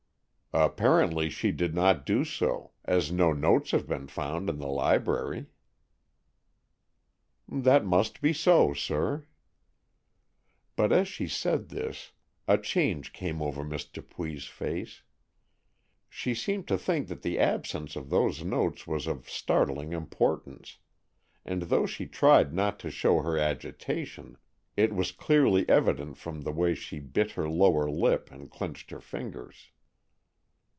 "Apparently she did not do so, as no notes have been found in the library." "That must be so, sir." But as she said this, a change came over Miss Dupuy's face. She seemed to think that the absence of those notes was of startling importance, and though she tried not to show her agitation, it was clearly evident from the way she bit her lower lip, and clenched her fingers.